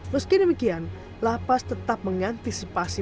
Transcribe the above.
meski demikian lapas tetap mengantisipasi